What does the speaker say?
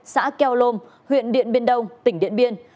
xã keo lôm huyện điện biên đông tỉnh điện biên